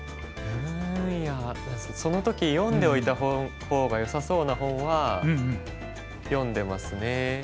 その時読んでおいた方がよさそうな本は読んでますね。